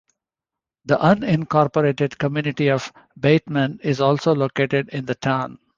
The unincorporated community of Bateman is also located in the town.